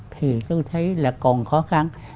thì tôi thấy là còn khó khăn